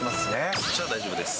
そっちは大丈夫です。